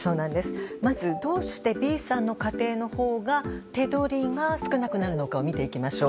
まずどうしてＢさんの家庭のほうが手取りが少なくなるのかを見ていきましょう。